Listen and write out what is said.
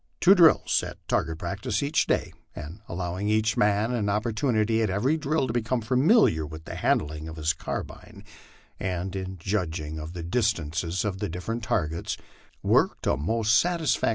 Two drills at target practice each day, and allowing each man an op portunity at every drill to become familiar with the handling of his carbine, and in judging of the distances of the different targets, worked a most satisfac LIFE ON THE PLAINS.